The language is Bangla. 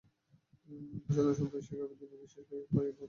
সদ্য সমাপ্ত এশিয়া কাপেই দিন বিশেক আগে তাঁরা ভারতকে হারিয়েছে আফ্রিদির ছক্কায়।